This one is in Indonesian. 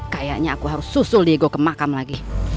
kayaknya aku harus susul diego ke makam lagi